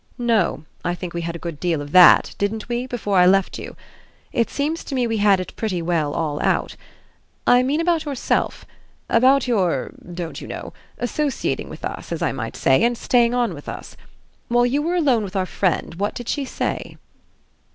"No; I think we had a good deal of that didn't we? before I left you. It seems to me we had it pretty well all out. I mean about yourself, about your don't you know? associating with us, as I might say, and staying on with us. While you were alone with our friend what did she say?"